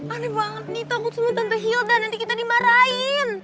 aneh banget nih takut semua tante hilda nanti kita dimarahin